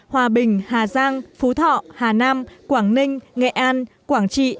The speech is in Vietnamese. hòa bình hà giang phú thọ hà nam quảng ninh nghệ an quảng trị